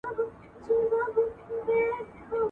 هغه لاري چارې ولټوئ چي ستاسو څېړنه معیاري کوي.